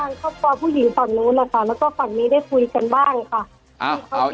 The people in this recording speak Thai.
เข้าพอผู้หญิงฝั่งโน้นแล้วก็ฝั่งนี้ได้คุยกันบ้างค่ะ